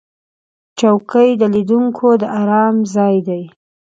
چوکۍ د لیدونکو د آرام ځای دی.